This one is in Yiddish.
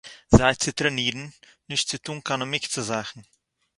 זיי צו טרענירן נישט צו טאָן קיינע מוקצה-זאַכן